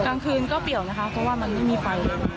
กลางคืนก็เปี่ยวนะคะเพราะว่ามันไม่มีไฟ